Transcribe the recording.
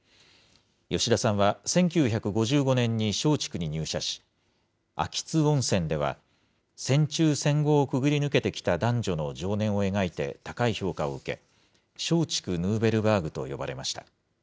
吉田さんは１９５５年に松竹に入社し、秋津温泉では戦中、戦後をくぐり抜けてきた男女の情念を描いて高い評価を受け、松竹ヌーベル・バーグと呼ばれました。